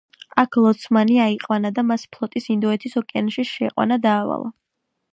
აქ ლოცმანი აიყვანა და მას ფლოტის ინდოეთის ოკეანეში შეყვანა დაავალა.